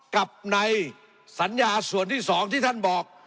กับในสัญญาส่วนที่๒ที่ท่านบอก